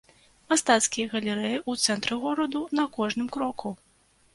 Мастацкія галерэі ў цэнтры гораду на кожным кроку.